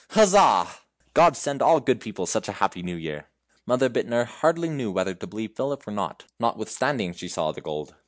Huzza! Gods send all good people such a happy New Year!" Mother Bittner hardly knew whether to believe Philip or not, notwithstanding she saw the gold.